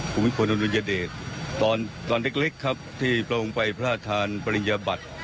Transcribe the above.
ภูมิขวนอนุญาเดตตอนเล็กครับที่ประวงไปพระธานปริญญาบัติ